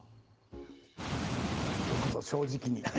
よくぞ正直に。